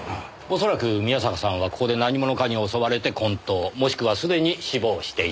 恐らく宮坂さんはここで何者かに襲われて昏倒もしくはすでに死亡していた。